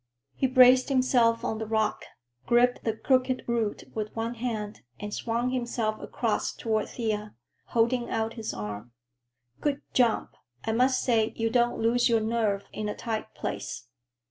He braced himself on the rock, gripped the crooked root with one hand and swung himself across toward Thea, holding out his arm. "Good jump! I must say you don't lose your nerve in a tight place.